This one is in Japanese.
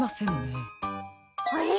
あれ？